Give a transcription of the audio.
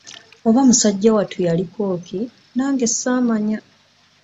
Oba musajja wattu yaliko ki, nage ssamanya.